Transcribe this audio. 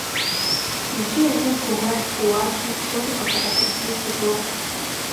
Иджы езыр гугъуехь Ӏууащи, псори къыдэӀэпыкъуну хущӀокъу.